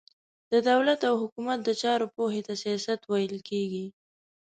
د دولت او حکومت د چارو پوهي ته سياست ويل کېږي.